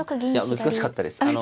いや難しかったです。